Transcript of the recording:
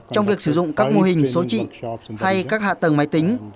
trong việc sử dụng các mô hình số trị hay các hạ tầng máy tính